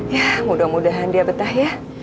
ya mudah mudahan dia betah ya